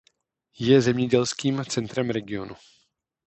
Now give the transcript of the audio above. Je zemědělským centrem regionu.